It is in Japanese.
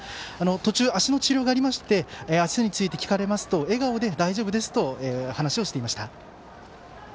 途中、足の治療がありまして足について聞かれますと笑顔で、大丈夫ですと話をしていました。